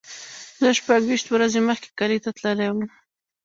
زه شپږ ویشت ورځې مخکې کلی ته تللی وم.